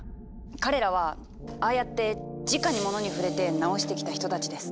彼らはああやってじかに物に触れて直してきた人たちです。